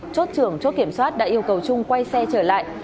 chốt trưởng chốt kiểm soát đã yêu cầu chung quay xe trở lại